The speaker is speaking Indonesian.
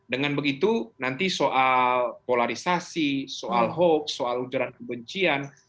dengan begitu nanti soal polarisasi soal hoax soal ujaran kebencian